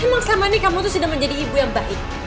emang selama ini kamu tuh sudah menjadi ibu yang baik